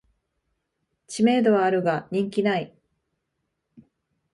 知名度はあるが人気ない